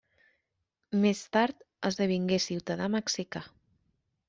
Més tard esdevingué ciutadà mexicà.